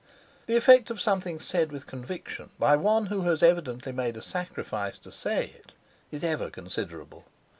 The effect of something said with conviction by one who has evidently made a sacrifice to say it is ever considerable.